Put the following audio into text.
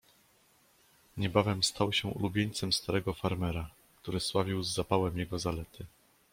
"Niebawem stał się ulubieńcem starego farmera, który sławił z zapałem jego zalety."